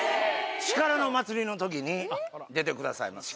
力の祭りのときに出てくださいます。